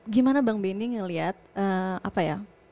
gimana bang beni melihat apa ya